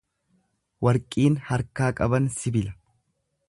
Warqiin harkaa qaban sibila.